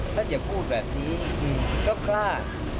ถ้าอย่าพูดแบบนี้ก็กล้า